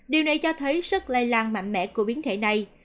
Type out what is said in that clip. điều này cho thấy sức lây lan mạnh mẽ của biến thể này